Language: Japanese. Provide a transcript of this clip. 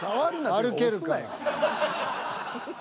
歩けるから。